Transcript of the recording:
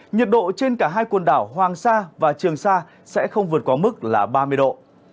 nhiệt độ trên cả hai quần đảo hoàng sa và trường sa sẽ không vượt qua mức là ba mươi độ